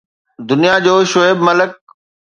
دنيا جو شعيب ملڪ